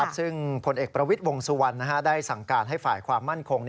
ซึ่งผลเอกประวิทย์วงสุวรรณได้สั่งการให้ฝ่ายความมั่นคง